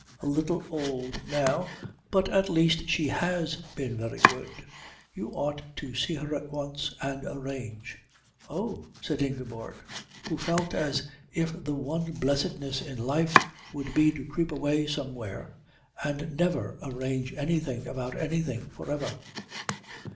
A little old now, but at least she has been very good. You ought to see her at once and arrange." "Oh!" said Ingeborg, who felt as if the one blessedness in life would be to creep away somewhere and never arrange anything about anything for ever.